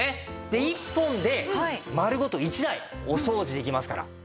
で１本で丸ごと１台お掃除できますから。